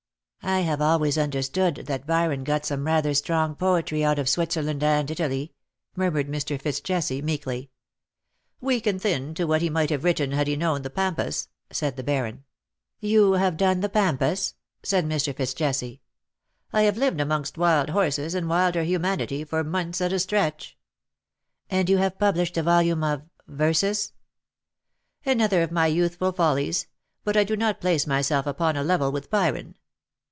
''" I have always understood that Byron got some rather strong poetry out of Switzerland and Italy," murmured Mr. FitzJesse, meekly. " Weak and thin to what he might have written had he known the Pampas," said the Baron. 106 '^ I WILL HAVE NO MERCY ON HIm/' " You have done the Pampas ?" said Mr. Fitz Jesse. " I have lived amongst wild horses, and wilder humanity, for months at a stretch/^ ''And you have published a volume of — verses V " Another of my youthful follies. But I do not place myself upon a level with Byron.